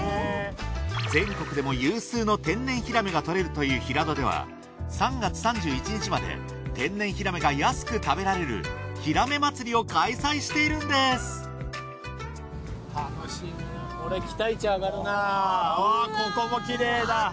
全国でも有数の天然ヒラメが獲れるという平戸では３月３１日まで天然ヒラメが安く食べられるひらめまつりを開催しているんです楽しみだ。